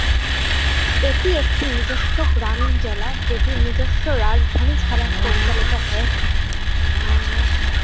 এটি একটি নিজস্ব গ্রামীণ জেলা যেটি নিজস্ব রাজধানী ছাড়া পরিচালিত হয়ে থাকে।